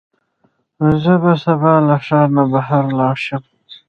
زه به سبا له ښار نه بهر لاړ شم.